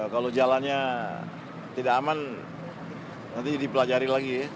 kalau jalannya tidak aman nanti dipelajari lagi ya